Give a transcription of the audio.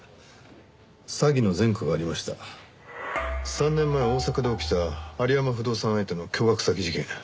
３年前大阪で起きた有浜不動産相手の巨額詐欺事件。